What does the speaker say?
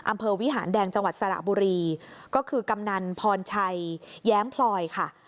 วิหารแดงจังหวัดสระบุรีก็คือกำนันพรชัยแย้มพลอยค่ะ